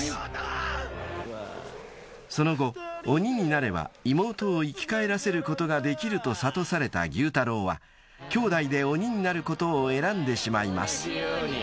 ［その後鬼になれば妹を生き返らせることができると諭された妓夫太郎はきょうだいで鬼になることを選んでしまいます］